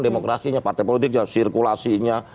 demokrasinya partai politiknya sirkulasinya